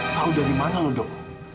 kau dari mana lo dok